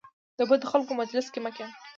د بدو خلکو مجلس کې مه کینه .